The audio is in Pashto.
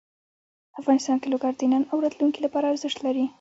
افغانستان کې لوگر د نن او راتلونکي لپاره ارزښت لري.